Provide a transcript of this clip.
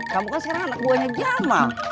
kamu kan sekarang anak buahnya jamal